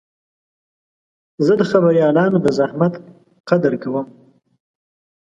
زه د خبریالانو د زحمت قدر کوم.